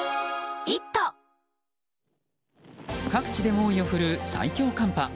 各地で猛威を振るう最強寒波。